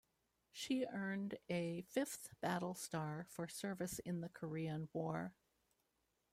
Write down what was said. She earned a fifth battle star for service in the Korean War.